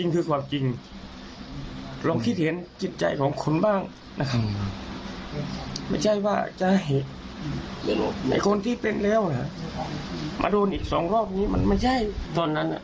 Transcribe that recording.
คุณพิราชจากติดลาด